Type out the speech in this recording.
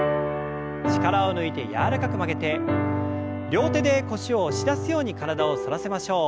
力を抜いて柔らかく曲げて両手で腰を押し出すように体を反らせましょう。